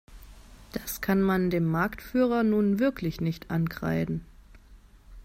Das kann man dem Marktführer nun wirklich nicht ankreiden.